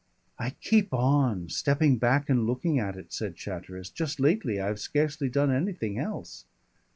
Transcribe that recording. "I keep on, stepping back and looking at it," said Chatteris. "Just lately I've scarcely done anything else.